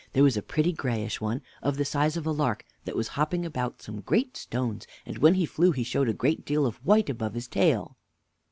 There was a pretty grayish one, of the size of a lark, that was hopping about some great stones; and when he flew he showed a great deal of white above his tail.